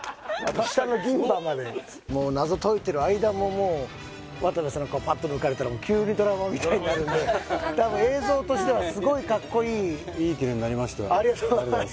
下の銀歯まで謎解いてる間ももう渡部さんの顔パッと抜かれたら急にドラマみたいになるんで多分映像としてはすごいカッコいいありがとうございます